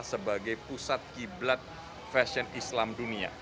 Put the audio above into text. sebagai pusat kiblat fashion islam dunia